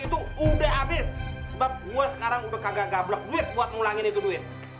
duit itu udah habis buat gue sekarang udah kagak gablet buat ngulangin duit